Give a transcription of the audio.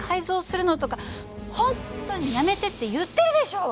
本当にやめてって言ってるでしょ！